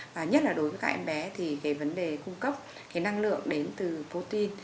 và nhất là đối với các em bé thì cái vấn đề cung cấp cái năng lượng đến từ putin